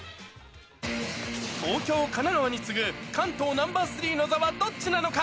東京、神奈川に次ぐ関東ナンバー３の座はどっちなのか。